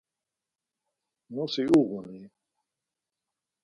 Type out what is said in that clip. Nosi uğun-i?